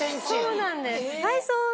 そうなんです。